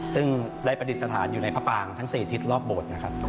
ซึ่งได้ประดิษฐานอยู่ในพระปางทั้ง๔ทิศรอบโบสถ์นะครับ